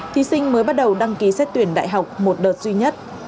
thí sinh mới bắt đầu đăng ký xét tuyển đại học một đợt duy nhất